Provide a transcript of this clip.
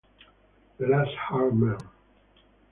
The Last Hard Men